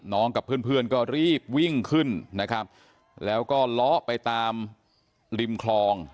กับเพื่อนเพื่อนก็รีบวิ่งขึ้นนะครับแล้วก็ล้อไปตามริมคลอง